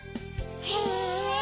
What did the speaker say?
へえ！